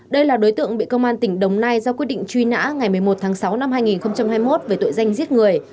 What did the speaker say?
đây là đối tượng bị công an tỉnh đồng nai ra quyết định truy nã ngày một mươi một tháng sáu năm hai nghìn hai mươi một về tội danh giết người